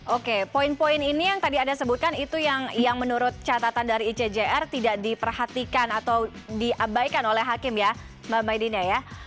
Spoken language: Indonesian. oke poin poin ini yang tadi anda sebutkan itu yang menurut catatan dari icjr tidak diperhatikan atau diabaikan oleh hakim ya mbak maidina ya